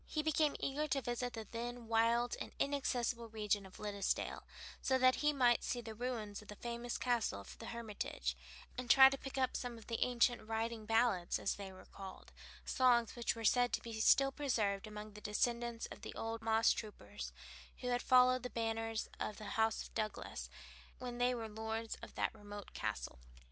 He became eager to visit the then wild and inaccessible region of Liddesdale, so that he might see the ruins of the famous castle of the Hermitage, and try to pick up some of the ancient "riding ballads" as they were called, songs which were said to be still preserved among the descendants of the old moss troopers, who had followed the banners of the House of Douglass, when they were lords of that remote castle.